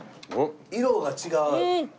色が違う！